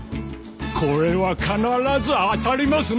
これは必ず当たりますね！